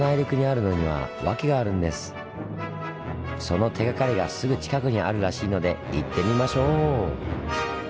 その手がかりがすぐ近くにあるらしいので行ってみましょう！